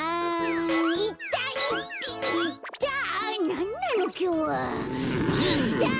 なんなのきょうは。